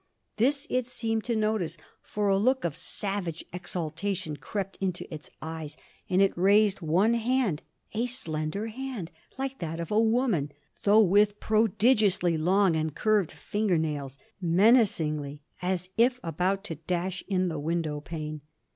This it seemed to notice, for a look of savage exultation crept into its eyes, and it raised one hand a slender hand, like that of a woman, though with prodigiously long and curved finger nails menacingly, as if about to dash in the window pane.